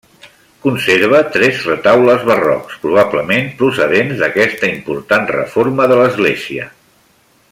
Conserva tres retaules barrocs, probablement procedents d'aquesta important reforma de l'església.